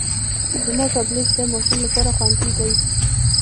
زما ټابلیټ د ماشوم لپاره خوندي دی.